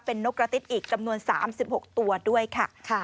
นกกระติ๊ดอีกจำนวน๓๖ตัวด้วยค่ะ